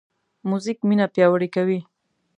موزیک مینه پیاوړې کوي.